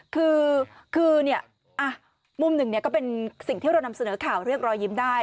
คือมุมหนึ่งก็เป็นสิ่งที่เรานำเสนอข่าวเรียกรอยยิ้มได้